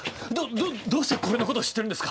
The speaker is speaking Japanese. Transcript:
どどうしてこれのこと知ってるんですか？